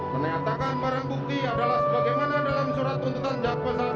menyatakan barang bukti adalah sebagaimana dalam surat tuntutan dakwaan penuntut umum